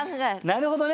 なるほどね。